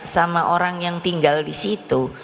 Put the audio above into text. sama orang yang tinggal di situ